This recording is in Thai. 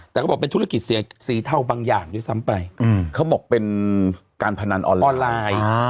แต่เขาบอกเป็นธุรกิจสีเทาบางอย่างด้วยซ้ำไปอืมเขาบอกเป็นการพนันออนไลน์ออนไลน์อ่า